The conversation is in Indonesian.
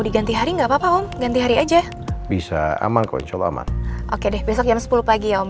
diganti hari nggak papa om ganti hari aja bisa aman konco aman oke deh besok jam sepuluh pagi ya om